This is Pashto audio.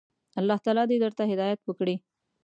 الله تعالی دي درته هدايت وکړي.